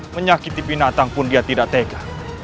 menyakiti binatang pun dia tidak tega